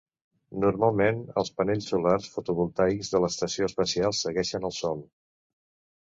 Normalment, els panells solars fotovoltaics de l'estació espacial segueixen al sol.